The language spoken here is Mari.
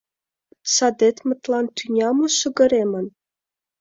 Садетмытлан тӱня мо шыгыремын?